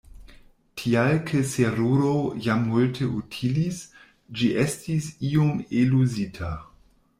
Tial ke la seruro jam multe utilis, ĝi estis iom eluzita.